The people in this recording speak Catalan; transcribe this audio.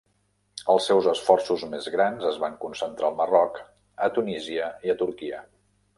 Els seus esforços més grans es van concentrar al Marroc, a Tunísia i a Turquia.